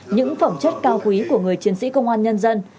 những phẩm chất cao quý của người chiến sĩ công an nhân dân